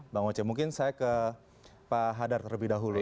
bang oce mungkin saya ke pak hadar terlebih dahulu